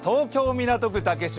港区竹芝